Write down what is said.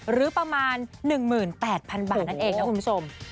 หรือประมาณ๑๘๐๐๐บาทนั่นเองนะคุณผู้ชม